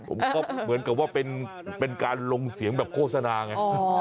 ผมก็เหมือนกับว่าเป็นการลงเสียงแบบโฆษณาไง